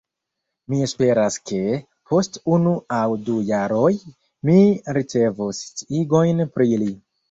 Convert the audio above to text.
Mi esperas ke, post unu aŭ du jaroj, mi ricevos sciigojn pri li.